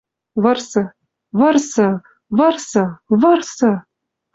Вырсы. Вырсы! Вырсы!! Вырсы!!!